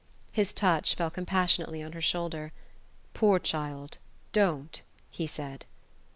His touch fell compassionately on her shoulder. "Poor child don't," he said.